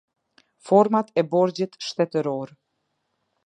Format e borxhit shtetëror.